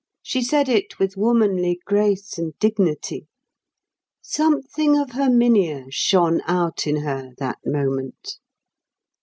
She said it with womanly grace and dignity. Something of Herminia shone out in her that moment.